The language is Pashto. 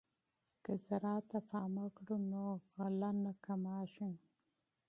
که زراعت ته پام وکړو نو غلې نه کمیږي.